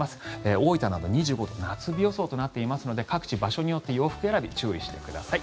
大分など２５度夏日予想となっていますので各地、場所によって洋服選び注意してください。